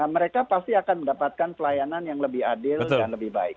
mereka pasti akan mendapatkan pelayanan yang lebih adil dan lebih baik